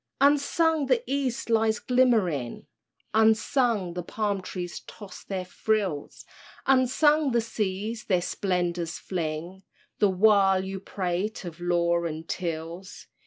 Unsung the East lies glimmering, Unsung the palm trees toss their frills, Unsung the seas their splendors fling, The while you prate of laws and tills.